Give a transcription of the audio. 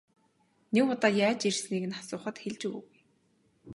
Нэг удаа яаж ирснийг нь асуухад хэлж өгөөгүй.